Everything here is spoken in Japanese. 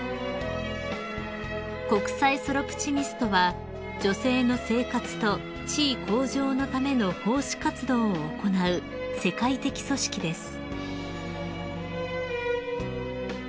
［国際ソロプチミストは女性の生活と地位向上のための奉仕活動を行う世界的組織です］